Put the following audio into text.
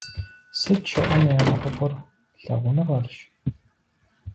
Сыт щыӀэм я нэхъыфӀыр? Лъагъуныгъэрщ!